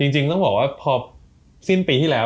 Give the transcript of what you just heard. จริงต้องบอกว่าพอสิ้นปีที่แล้ว